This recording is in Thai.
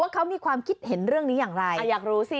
ว่าเค้ามีความคิดเห็นเรื่องนี้อย่างไร